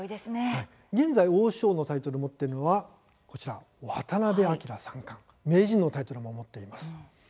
現在、王将のタイトルを持っているのは渡辺明三冠名人のタイトルも持っています。